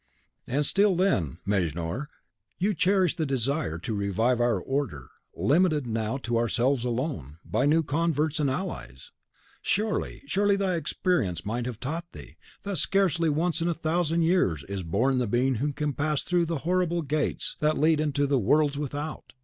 "And still, then, Mejnour, you cherish the desire to revive our order, limited now to ourselves alone, by new converts and allies. Surely surely thy experience might have taught thee, that scarcely once in a thousand years is born the being who can pass through the horrible gates that lead into the worlds without!